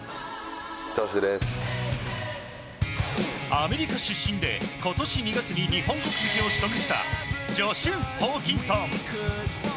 アメリカ出身で今年２月に日本国籍を取得したジョシュ・ホーキンソン。